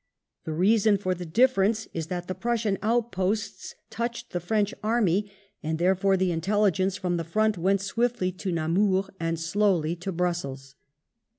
The reason for the difference is that the Prussian outposts touched the French army, and there IX THE PRE NCR OVER THE SAME RE Tio^ fore the intelligence from the front went swiftly to Namur and slowly to Brussels.